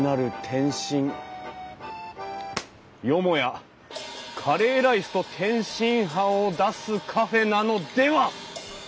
よもやカレーライスと天津飯を出すカフェなのでは！